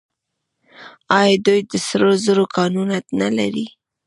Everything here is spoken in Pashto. آیا دوی د سرو زرو کانونه نلري؟